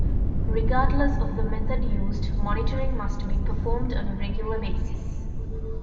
Regardless of the method used, monitoring must be performed on a regular basis.